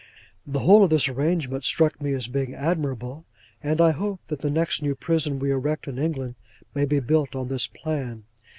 The whole of this arrangement struck me as being admirable; and I hope that the next new prison we erect in England may be built on this plan.